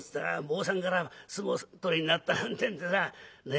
坊さんから相撲取りになったなんてんでさ。